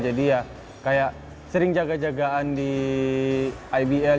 jadi ya kayak sering jaga jagaan di ibl